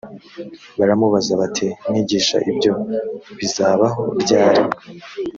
baramubaza bati mwigisha ibyo bizabaho ryari‽